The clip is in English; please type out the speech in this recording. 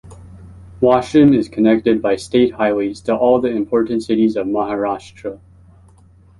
Washim is connected by State Highways to all the important cities of Maharashtra.